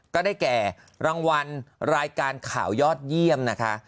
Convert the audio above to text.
ก็ได้แก่รางวัลรายการข่าวยอดเยี่ยมนะคะ